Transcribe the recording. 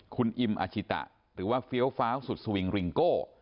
คุณอิมอาชิตะหรือว่าเฟี้ยวฟ้าวสุดสวิงริงโก้